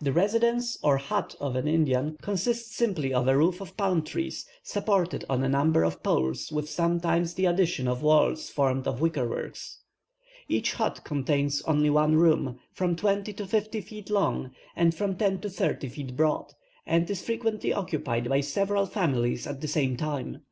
The residence or hut of an Indian consists simply of a roof of palm trees, supported on a number of poles, with sometimes the addition of walls formed of wicker work. Each hut contains only one room, from twenty to fifty feet long, and from ten to thirty feet broad, and is frequently occupied by several families at the same time.